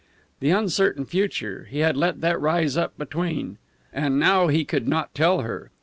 The uncertain future he had let that rise up between. And now he could not tell her.